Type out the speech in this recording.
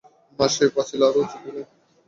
মা সেই পাঁচিল আরও উঁচু করলেন।